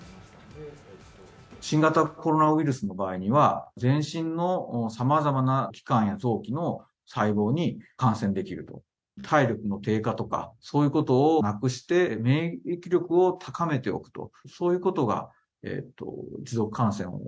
新型コロナウイルスの場合には全身のさまざまな機関や臓器の細胞に感染できる、体力の低下とかそういうことをなくして免疫力を高めておくと。